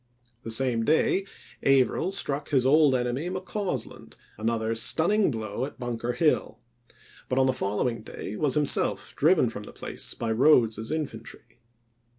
The same day Averill struck his old enemy, McCausland, another stunning blow at Bunker Hill ; but on the follow ing day was himself driven from the place by Rodes's infantry.